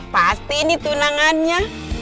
pasti ini tunangannya